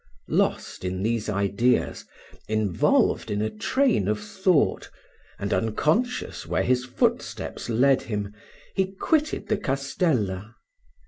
Lost in these ideas, involved in a train of thought, and unconscious where his footsteps led him, he quitted the castella.